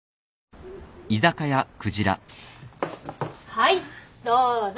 はいどうぞ。